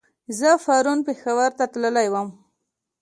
زه پرون پېښور ته تللی ووم